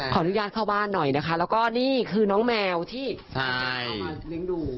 อนุญาตเข้าบ้านหน่อยนะคะแล้วก็นี่คือน้องแมวที่เอามาเลี้ยงดู